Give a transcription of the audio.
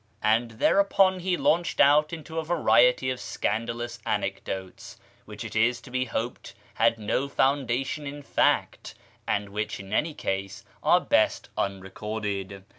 And thereupon he launched out into a variety of scandalous anecdotes, which it is to be hoped had no foundation in fact, and which in any case are best unrecorded.